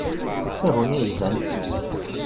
Taguni yelhan!